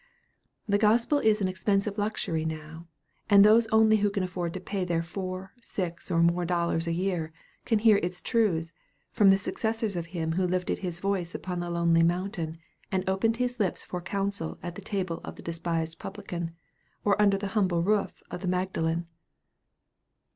The gospel is an expensive luxury now, and those only who can afford to pay their four, or six, or more, dollars a year, can hear its truths from the successors of him who lifted his voice upon the lonely mountain, and opened his lips for council at the table of the despised publican, or under the humble roof of the Magdalen."